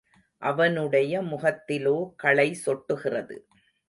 அவனுடைய முகத்திலோ களை சொட்டுகிறது.